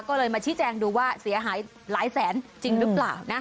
ก็เลยมาชี้แจงดูว่าเสียหายหลายแสนจริงหรือเปล่านะ